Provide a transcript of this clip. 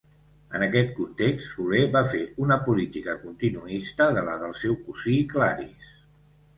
En aquest context, Soler va fer una política continuista de la del seu cosí Claris.